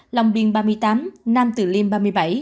lòng biên ba mươi tám nam tử liêm ba mươi bảy